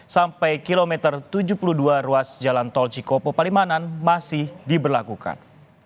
sampai kilometer tujuh puluh dua ruas jalan tol cikopo palimanan masih diberlakukan